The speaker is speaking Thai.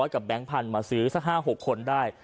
แบงค์พันธุ์มาซื้อสัก๕๖คนได้